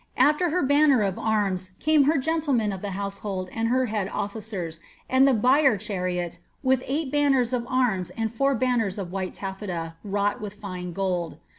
After her ban ner of arms came her gentlemen of tlie household and her head officers, and the bier chaiiot, with eight banners of arms and four banners of white taf&ta, wrought with fine gold.